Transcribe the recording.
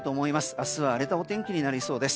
明日は荒れたお天気になりそうです。